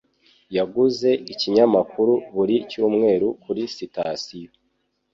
yaguze ikinyamakuru buri cyumweru kuri sitasiyo.